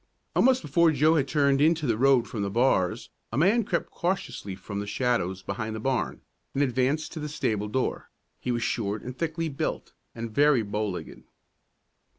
Almost before Joe had turned into the road from the bars, a man crept cautiously from the shadows behind the barn, and advanced to the stable door. He was short and thickly built, and very bow legged.